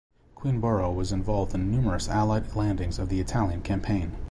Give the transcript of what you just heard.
"Queenborough" was involved in numerous Allied landings of the Italian Campaign.